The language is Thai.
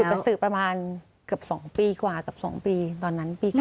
หยุดสืบประมาณเกือบสองปีกว่ากับสองปีตอนนั้นปีกว่า